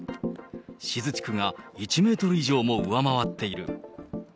志津地区が１メートル以上も上回っています。